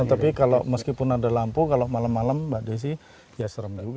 tapi kalau meskipun ada lampu kalau malam malam mbak desi ya serem